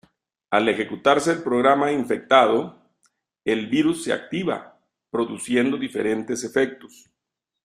Al ejecutarse el programa infectado, el virus se activa, produciendo diferentes efectos.